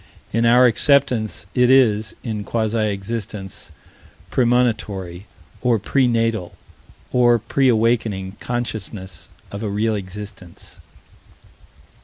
In our acceptance, it is, in quasi existence, premonitory, or pre natal, or pre awakening consciousness of a real existence.